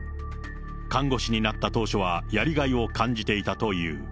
看護師になった当初はやりがいを感じていたという。